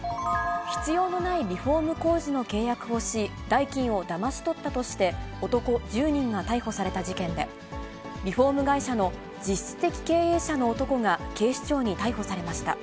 必要のないリフォーム工事の契約をし、代金をだまし取ったとして、男１０人が逮捕された事件で、リフォーム会社の実質的経営者の男が警視庁に逮捕されました。